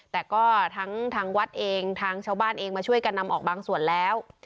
แต่ก็ทั้งทางวัดเองทางชาวบ้านเองมาช่วยกันนำออกบางส่วนแล้ว